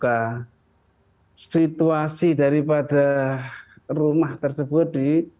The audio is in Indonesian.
karena situasi daripada rumah tersebut